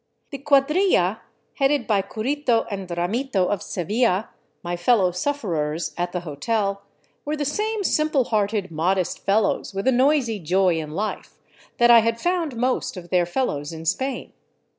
The cuadrilla, headed by " Cur rito " and " Ramito '' of Sevilla, my fellow sufferers at the hotel, were the same simple hearted, modest fellows, with a noisy joy in life, that I had found most of their fellows in Spain.